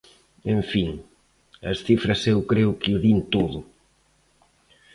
En fin, as cifras eu creo que o din todo.